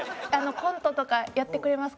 コントとかやってくれますか？